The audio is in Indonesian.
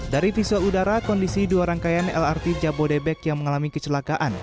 dari visual udara kondisi dua rangkaian lrt jabodebek yang mengalami kecelakaan